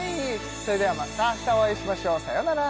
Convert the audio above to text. それではまた明日お会いしましょうさよなら